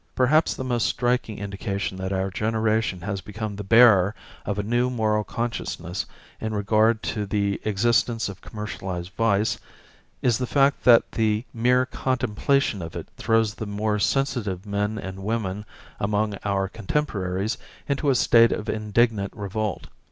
Perhaps the most striking indication that our generation has become the bearer of a new moral consciousness in regard to the existence of commercialized vice is the fact that the mere contemplation of it throws the more sensitive men and women among our contemporaries into a state of indignant revolt.